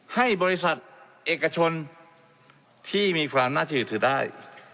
ให้บริษัทเอกชนที่มีความน่าเชื่อถือได้